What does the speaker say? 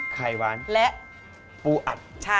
ไข่หวานและปูอัด